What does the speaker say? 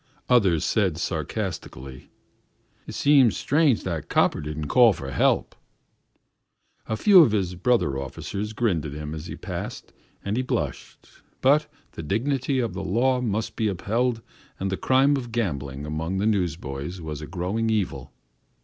Others said sarcastically, "It seems strange that 'copper' didn't call for help." A few of his brother officers grinned at him as he passed, and he blushed, but the dignity of the law must be upheld and the crime of gambling among the newsboys was a growing evil.